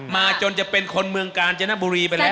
จนจะเป็นคนเมืองกาญจนบุรีไปแล้ว